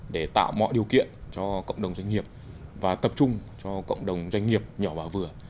để tạo mọi điều kiện cho cộng đồng doanh nghiệp và tập trung cho cộng đồng doanh nghiệp nhỏ và vừa